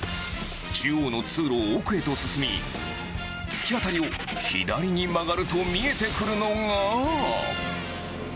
中央の通路を奥へと進み、突き当たりを左に曲がると見えてくるのが。